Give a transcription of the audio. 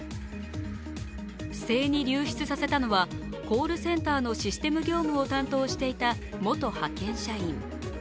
不正に流出させたのはコールセンターのシステム業務を担当していた元派遣社員。